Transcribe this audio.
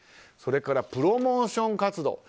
それからプロモーション活動。